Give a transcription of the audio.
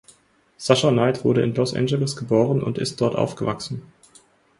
Sasha Knight wurde in Los Angeles geboren und ist dort aufgewachsen.